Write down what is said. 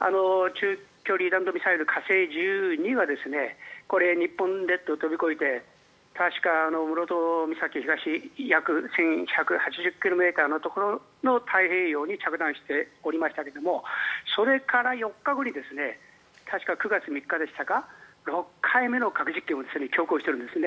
中距離弾道ミサイル、火星１２がこれ、日本列島を飛び越えて確か室戸岬東の約１１８０ｋｍのところに太平洋に着弾しておりましたがそれから４日後に確か９月３日でしたか６回目の核実験を強行しているんですね。